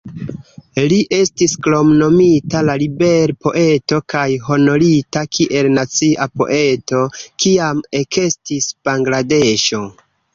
Li estis kromnomita la "ribel-poeto", kaj honorita kiel "nacia poeto" kiam ekestis Bangladeŝo.